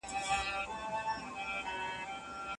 خپل نصیب یم له ازله ستا چړې ته پرې ایستلی